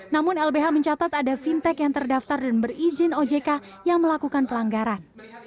namun lbh mencatat ada fintech yang terdaftar dan berizin ojk yang melakukan pelanggaran